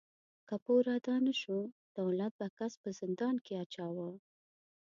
که پور ادا نهشو، دولت به کس په زندان کې اچاوه.